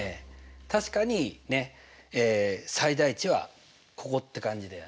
確かに最大値はここって感じだよな。